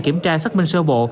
kiểm tra xác minh sơ bộ